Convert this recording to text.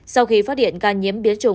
sau khi phát hiện ca nhiễm biến chủng